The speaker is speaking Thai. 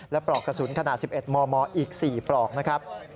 และปลอกกระสุนขนาด๑๑มมอีก๔ปลอกนะครับ